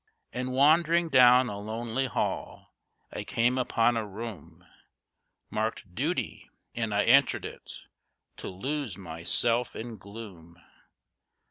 And wandering down a lonely hall, I came upon a room Marked "Duty," and I entered it—to lose myself in gloom.